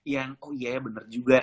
yang oh iya ya benar juga